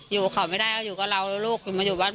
อยู่เขาไม่ได้อยู่กับเราลูกมาอยู่บ้านพ่อ